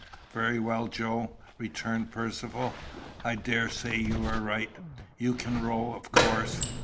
"Very well, Joe," returned Percivale, "I daresay you are right. You can row, of course?"